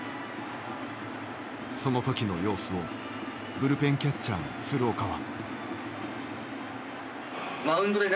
その時の様子をブルペンキャッチャーの鶴岡は。